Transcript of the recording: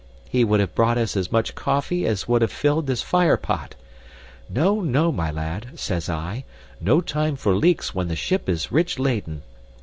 He would have bought us as much coffee as would have filled this fire pot. 'No, no, my lad,' says I. 'No time for leaks when the ship is rich laden.